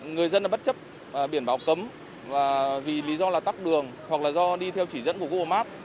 người dân bất chấp biển báo cấm và vì lý do là tắt đường hoặc là do đi theo chỉ dẫn của google maps